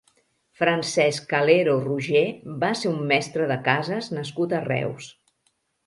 Francesc Calero Roger va ser un mestre de cases nascut a Reus.